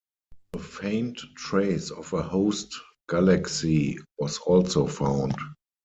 A faint trace of a host galaxy was also found.